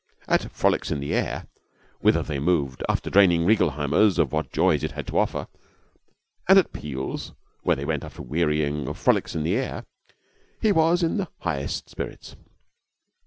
At Frolics in the Air, whither they moved after draining Reigelheimer's of what joys it had to offer, and at Peale's, where they went after wearying of Frolics in the Air, he was in the highest spirits.